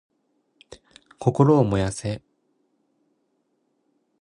心を燃やせ！